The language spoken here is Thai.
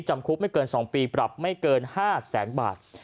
จำคุกไม่เกิน๒ปีปรับไม่เกิน๕แสนบาท